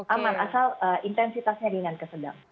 aman asal intensitasnya ringan ke sedang